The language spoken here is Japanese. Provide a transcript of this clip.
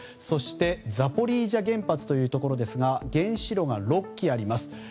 そしてザポリージャ原発というところですが原子炉が６基あります。